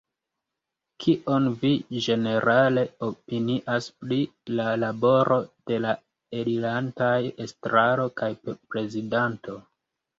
Kion vi ĝenerale opinias pri la laboro de la elirantaj estraro kaj prezidanto?